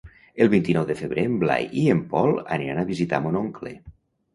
El vint-i-nou de febrer en Blai i en Pol aniran a visitar mon oncle.